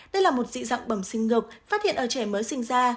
đây là một dị dạng bẩm sinh ngực phát hiện ở trẻ mới sinh ra